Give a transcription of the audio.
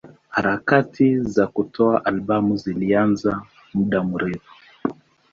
Harakati za kutoa albamu zilianza muda mrefu.